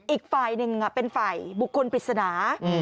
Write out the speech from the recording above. อีกฝ่ายหนึ่งเป็นฝ่ายบุคคลปริศนา